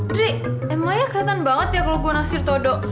dri emangnya keren banget ya kalo gue nasir toto